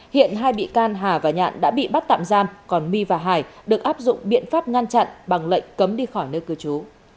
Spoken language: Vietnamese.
hiện hai bị can hà và nhạn đã bị bắt tạm giam còn my và hải được áp dụng biện pháp ngăn chặn bằng lệnh cấm đi khỏi nơi cư trú